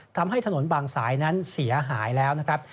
ทำให้ถนนบางสายนั้นเสียหายแล้วนะครับ